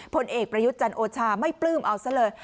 ผลเอกประยุทธ์จันโอชาไม่ปลื้มเอาซะเลย